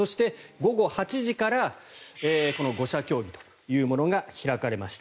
午後８時から５者協議というものが開かれました。